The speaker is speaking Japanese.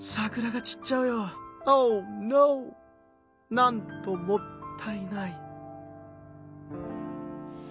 なんともったいない。